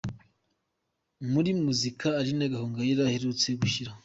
Muri muzika, Aline Gahongayire aherutse gushyira